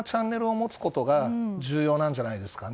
いろんなチャンネルを持つことが重要なんじゃないですかね。